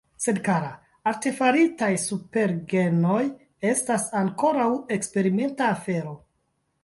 Sed kara, artefaritaj supergenoj estas ankoraŭ eksperimenta afero!